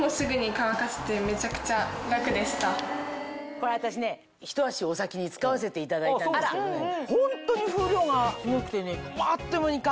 これ私ねひと足お先に使わせていただいたんですけどねホントに。